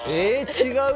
違う？